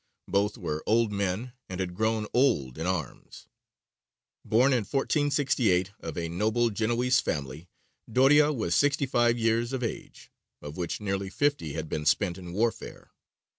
Both were old men and had grown old in arms. Born in 1468, of a noble Genoese family, Doria was sixty five years of age, of which nearly fifty had been spent in warfare.